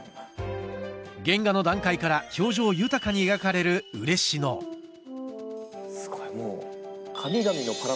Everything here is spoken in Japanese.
原画の段階から表情豊かに描かれるウレシノすごいもう。